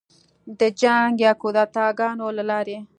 د جنګ یا کودتاه ګانو له لارې